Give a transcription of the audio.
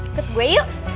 ikut gue yuk